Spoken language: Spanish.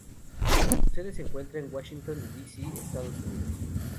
Su sede se encuentra en Washington D. C. Estados Unidos.